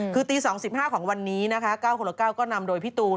คือตี๒๕ของวันนี้นะคะ๙คนละ๙ก็นำโดยพี่ตูน